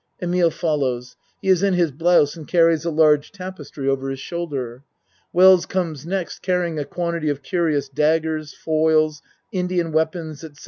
(Emile follows. He is in his blouse and carries a large tapestry over his shoulder. Wells comes next carrying a quantity of curious daggers, foils, Indian weapons, etc.)